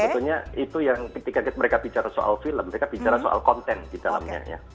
sebetulnya itu yang ketika mereka bicara soal film mereka bicara soal konten di dalamnya ya